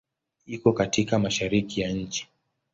Iko katika Mashariki ya nchi.